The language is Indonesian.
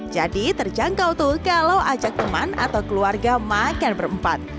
jadi terjangkau tuh kalau ajak teman atau keluarga makan berempat